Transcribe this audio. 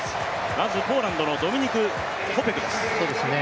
まずポーランドのドミニク・コペクです。